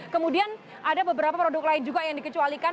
kemudian ada beberapa produk lain juga yang dikecualikan